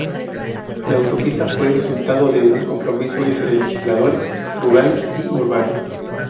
La autopista fue resultado de un compromiso entre legisladores rurales y urbanos.